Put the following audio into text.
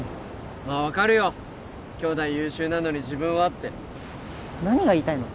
まあ分かるよ兄弟優秀なのに自分はって何が言いたいの？